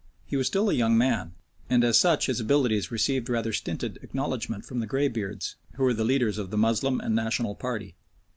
He was still a young man, and as such his abilities received rather stinted acknowledgment from the greybeards, who were the leaders of the Moslem and National party.